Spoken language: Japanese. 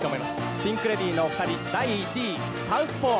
ピンク・レディーのお二人第１位、「サウスポー」。